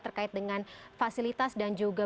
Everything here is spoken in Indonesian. terkait dengan fasilitas dan juga